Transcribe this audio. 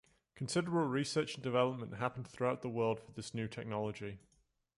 Considerable research and development happened throughout the world for this new technology.